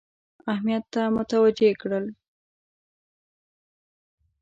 اهمیت ته متوجه کړل.